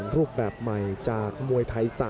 ทุกคนค่ะ